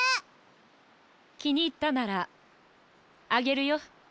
きにいったならあげるよ。